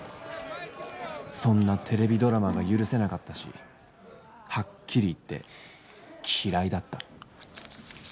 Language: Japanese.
そんなテレビドラマが許せなかったしはっきり言って嫌いだった。